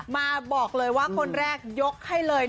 มาบอกเลยว่าคนแรกยกให้เลย